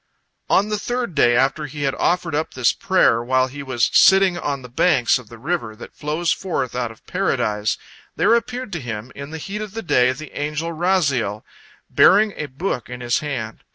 On the third day after he had offered up this prayer, while he was sitting on the banks of the river that flows forth out of Paradise, there appeared to him, in the heat of the day, the angel Raziel, bearing a book in his hand.